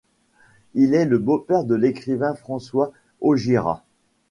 Il est le beau-père de l'écrivain François Augiéras.